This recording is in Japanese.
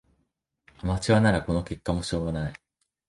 アマチュアならこの結果もしょうがない